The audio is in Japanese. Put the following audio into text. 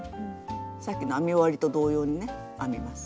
さっきの編み終わりと同様にね編みます。